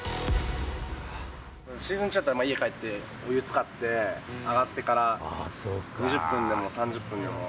シーズン中はちょっと家帰って、お湯つかって、上がってから、２０分でも３０分でも。